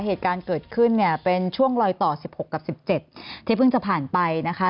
เหตุการณ์เกิดขึ้นเนี่ยเป็นช่วงลอยต่อ๑๖กับ๑๗ที่เพิ่งจะผ่านไปนะคะ